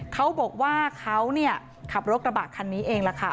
เขาบอกว่าเขาเนี่ยขับรถกระบะคันนี้เองล่ะค่ะ